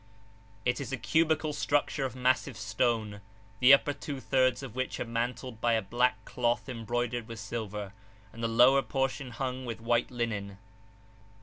It is a cubical structure of massive stone, the upper two thirds of which are mantled by a black cloth embroidered with silver, and the lower portion hung with white linen.